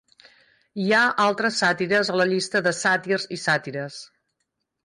Hi ha altres sàtires a la llista de sàtirs i sàtires.